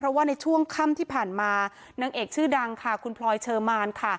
เพราะว่าในช่วงค่ำที่ผ่านมานางเอกชื่อดังค่ะคุณพลอยเชอร์มานค่ะ